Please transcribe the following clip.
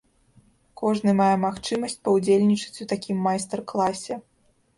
Кожны мае магчымасць паўдзельнічаць у такім майстар-класе.